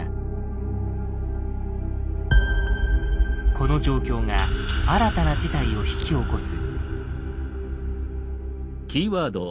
この状況が新たな事態を引き起こす。